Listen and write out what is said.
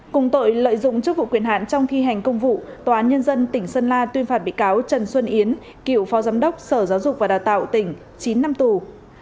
cùng tội lợi dụng chức vụ quyền hạn trong khi hành công vụ tòa án nhân dân tỉnh sơn la tuyên phạt bị cáo trần xuân yến cựu phó giám đốc sở giáo dục và đào tạo tỉnh chín năm tù